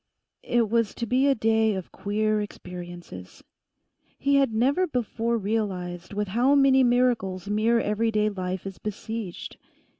It was to be a day of queer experiences. He had never before realized with how many miracles mere everyday life is besieged.